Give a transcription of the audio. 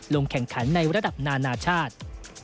ลงแข่งขันในระดับนานาชาติ